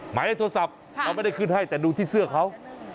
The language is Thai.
หมายเลขโทรศัพท์เราไม่ได้ขึ้นให้แต่ดูที่เสื้อเขา